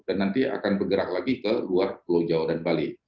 dan nanti akan bergerak lagi ke luar pulau jawa dan bali